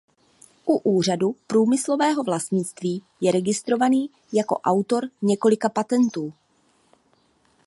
U Úřadu průmyslového vlastnictví je registrovaný jako autor několika patentů.